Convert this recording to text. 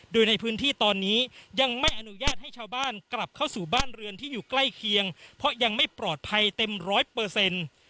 โดยในพื้นที่ตอนนี้ยังไม่อนุญาตให้ชาวบ้านกลับเข้าสู่บ้านเรือนที่อยู่ใกล้เคียงเพราะยังไม่ปลอดภัยเต็มร้อยเปอร์เซ็นต์